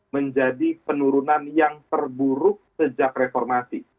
menjadi penurunan yang terburuk sejak reformasi